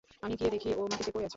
আমি গিয়ে দেখি ও মাটিতে পড়ে আছে।